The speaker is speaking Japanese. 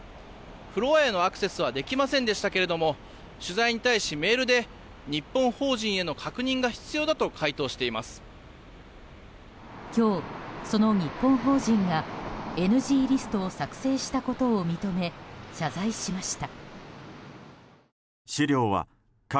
フロアへのアクセスはできませんでしたが取材に対し、メールで日本法人への確認が今日、その日本法人がＮＧリストを作成したことを認め謝罪しました。